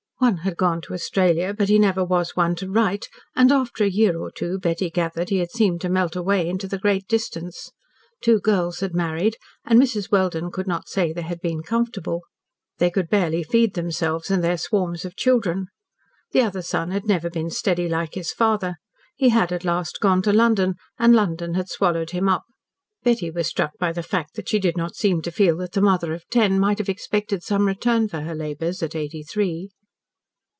One had gone to Australia, but he never was one to write, and after a year or two, Betty gathered, he had seemed to melt away into the great distance. Two girls had married, and Mrs. Welden could not say they had been "comf'able." They could barely feed themselves and their swarms of children. The other son had never been steady like his father. He had at last gone to London, and London had swallowed him up. Betty was struck by the fact that she did not seem to feel that the mother of ten might have expected some return for her labours, at eighty three.